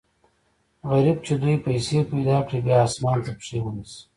غریب چې دوې پیسې پیدا کړي، بیا اسمان ته پښې و نیسي.